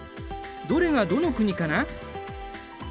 どれがどの国かな？